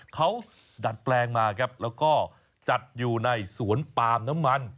เขาดัดแปลงมาครับแล้วก็จัดอยู่ในสวนปาล์มน้ำมัน